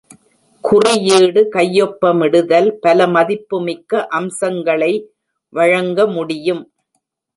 குறியீடு கையொப்பமிடுதல் பல மதிப்புமிக்க அம்சங்களை வழங்க முடியும்.